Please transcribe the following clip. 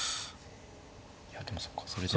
いやでもそうかそれじゃまた。